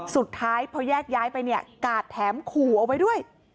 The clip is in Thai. สุดท้ายพอแยกย้ายไปเนี่ยกาดแถมขู่เอาไว้ด้วย